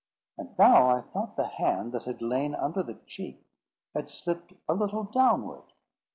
And now I thought the hand that had lain under the cheek, had slipped a little downward.